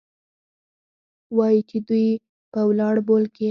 وايي چې دوى په ولاړو بول كيې؟